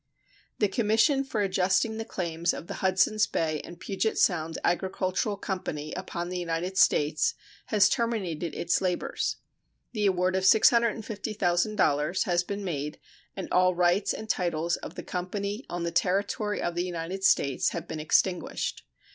The commission for adjusting the claims of the "Hudsons Bay and Puget Sound Agricultural Company" upon the United States has terminated its labors. The award of $650,000 has been made and all rights and titles of the company on the territory of the United States have been extinguished.